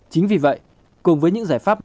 chính vì vậy cùng với những giải pháp